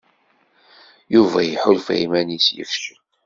Yuba iḥulfa iman-is yefcel.